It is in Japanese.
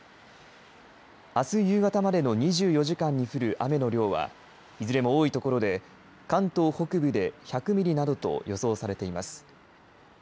あす夕方までの２４時間に降る雨の量はいずれも多いところで関東北部で１００ミリなどと予想されています。